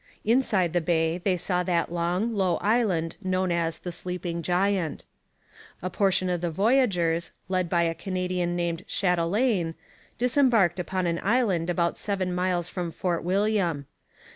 Inside the bay they saw that long, low island known as the Sleeping Giant. A portion of the voyageurs, led by a Canadian named Chatelain, disembarked upon an island about seven miles from Fort William.